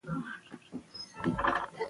، نه ستړې کېدونکو هڅو، او پوهې ته